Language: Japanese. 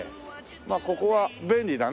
まあここは便利だね。